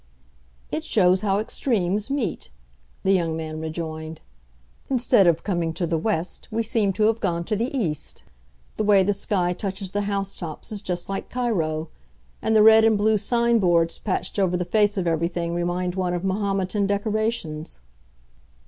"It shows how extremes meet," the young man rejoined. "Instead of coming to the West we seem to have gone to the East. The way the sky touches the house tops is just like Cairo; and the red and blue sign boards patched over the face of everything remind one of Mahometan decorations."